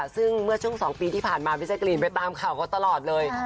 ซึ่งในช่วง๒ปีที่ผ่านมาวิจัยกรีนไปตามข่าวกับตลอดเลย